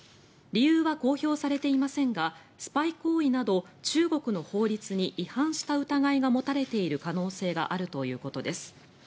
理由は公表されていませんがスパイ行為など中国の法律に違反した疑いが持たれている可能性があるということです。